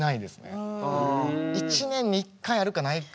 １年に１回あるかないか。